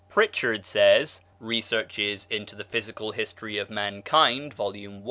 Prichard says ("Researches into the Physical History of Mankind," vol. i.